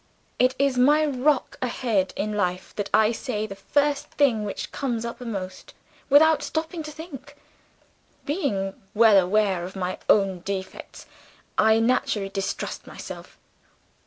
It is my rock ahead in life that I say the first thing which comes uppermost, without stopping to think. Being well aware of my own defects, I naturally distrust myself."